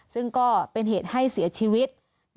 ซึ่งก็เป็นเหตุให้เสียชีวิต